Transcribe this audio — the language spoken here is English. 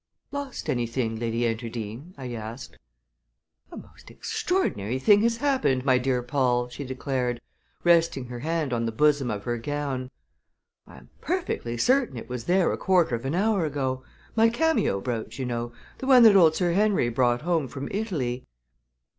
"Lost anything, Lady Enterdean?" I asked. "A most extraordinary thing has happened, my dear Paul!" she declared, resting her hand on the bosom of her gown. "I am perfectly certain it was there a quarter of an hour ago my cameo brooch, you know, the one that old Sir Henry brought home from Italy."